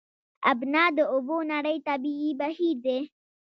ابنا د اوبو نری طبیعي بهیر دی.